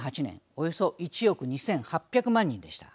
およそ１億２，８００万人でした。